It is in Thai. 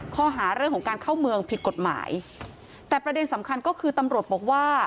ข้อหาเรื่องของการเข้าเมืองผิดกฎหมายแต่ประเด็นสำคัญก็คือตำรวจบอกว่า